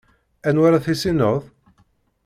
Anwa ara tissineḍ?